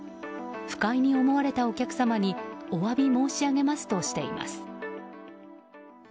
不快に思われたお客様にお詫び申し上げますとしています。